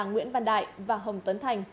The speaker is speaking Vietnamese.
nguyễn văn đại và hồng tuấn thành